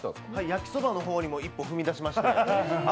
焼きそばの方にも一歩踏み出しまして。